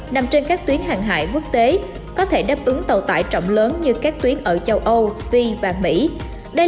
nằm trên các tuyến hàng hải quốc tế có thể đáp ứng tàu tải trọng lớn như các tuyến ở châu âu vi và mỹ đây